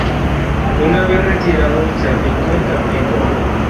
Una vez retirado, se afincó en Tampico.